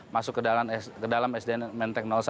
masuk ke dalam sdn menteng satu